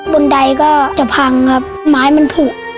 บนใดก็จะพังครับไม้มันผูก